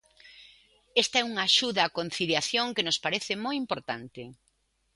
Esta é unha axuda á conciliación que nos parece moi importante.